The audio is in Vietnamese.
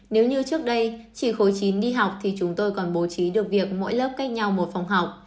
nếu như trước đây chỉ khối chín đi học thì chúng tôi còn bố trí được việc mỗi lớp cách nhau một phòng học